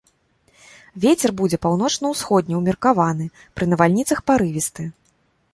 Вецер будзе паўночна-ўсходні ўмеркаваны, пры навальніцах парывісты.